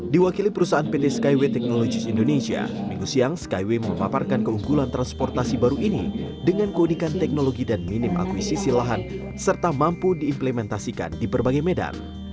diwakili perusahaan pt skyway technologies indonesia minggu siang skyway memaparkan keunggulan transportasi baru ini dengan keunikan teknologi dan minim akuisisi lahan serta mampu diimplementasikan di berbagai medan